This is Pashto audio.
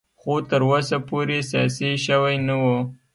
خو تر اوسه پورې سیاسي شوی نه و.